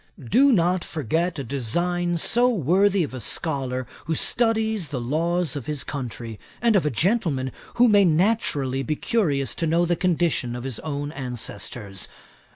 Do not forget a design so worthy of a scholar who studies the laws of his country, and of a gentleman who may naturally be curious to know the condition of his own ancestors.